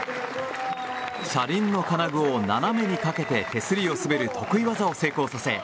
車輪の金具を斜めにかけて手すりを滑る得意技を成功させ